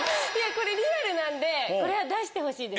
これリアルなんでこれは出してほしいです。